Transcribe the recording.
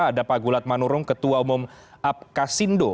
ada pak gulat manurung ketua umum apk sindo